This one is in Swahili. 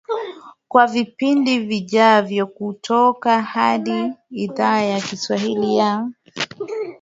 kwa vipindi vijavyo kutoka hapa idhaa ya kiswahili ya